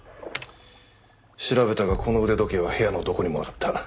調べたがこの腕時計は部屋のどこにもなかった。